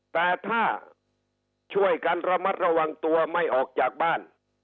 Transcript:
แต่ถ้าช่วยกันระมัดระวังตัวไม่ออกจากบ้าน